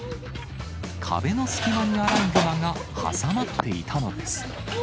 壁の隙間にアライグマが挟まっていたのです。